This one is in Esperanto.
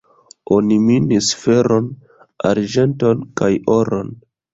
Oni minis feron, arĝenton kaj oron.